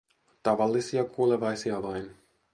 Tavallisia kuolevaisia vain.